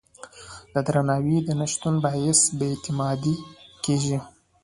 د درناوي نه شتون باعث بې اعتمادي کېږي.